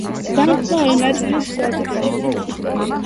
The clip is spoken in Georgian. დამხმარე ნაწილებს შეადგენენ.